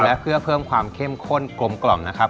และเพื่อเพิ่มความเข้มข้นกลมกล่อมนะครับ